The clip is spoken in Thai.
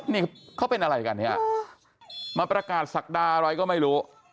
นี่เขาเป็นอะไรกันเนี่ยมาประกาศศักดาอะไรก็ไม่รู้